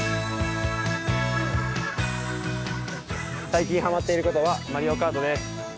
最近ハマっていることはマリオカートです。